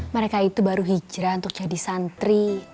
mereka itu baru hijrah untuk jadi santri